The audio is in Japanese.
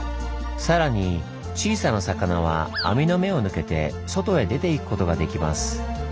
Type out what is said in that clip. さらに小さな魚は網の目を抜けて外へ出ていくことができます。